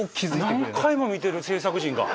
何回も見てる制作陣が。